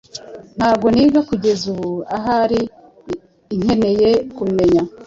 Ntabwo niga kugeza ubu, ahari inkeneye kubimenya